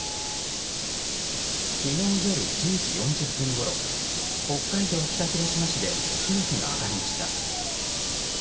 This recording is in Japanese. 昨日夜１０時４０分ごろ北海道北広島市で火の手が上がりました。